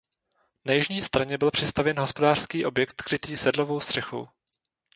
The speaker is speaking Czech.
Na jižní straně byl přistavěn hospodářský objekt krytý sedlovou střechou.